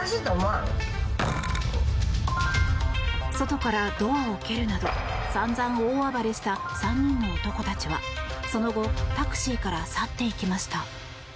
外からドアを蹴るなど散々大暴れした３人の男たちはその後タクシーから去っていきました。